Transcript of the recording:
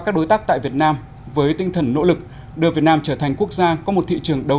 các đối tác tại việt nam với tinh thần nỗ lực đưa việt nam trở thành quốc gia có một thị trường đấu